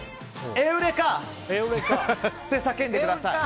エウレカ！って叫んでください。